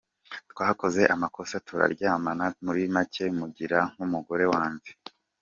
Twakoze amakosa turaryamana muri make mugira nk’umugore wanjye.